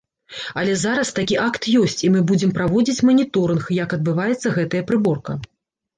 Але зараз такі акт ёсць, і мы будзем праводзіць маніторынг, як адбываецца гэтая прыборка.